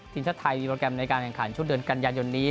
ทีมชัดไทยมีโปรแกรมในการแข่งขันชุดเดินกันยันยนต์นี้